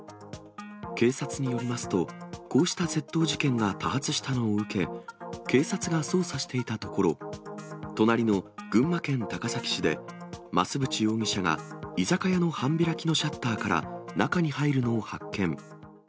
警察によりますと、こうした窃盗事件が多発したのを受け、警察が捜査していたところ、隣の群馬県高崎市で増渕容疑者が居酒屋の半開きのシャッターから中に入るのを発見。